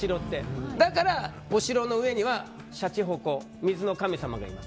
だからお城の上にはしゃちほこ水の神様がいます。